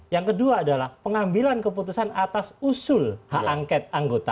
yang kedua adalah pengambilan keputusan atas usul hak angket anggota